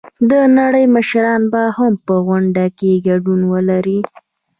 د نړۍ مشران به هم په غونډه کې ګډون ولري.